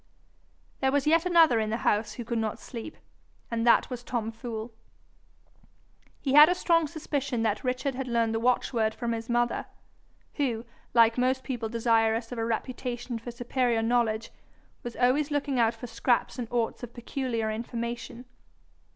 There was yet another in the house who could not sleep, and that was Tom Fool. He had a strong suspicion that Richard had learned the watchword from his mother, who, like most people desirous of a reputation for superior knowledge, was always looking out for scraps and orts of peculiar information.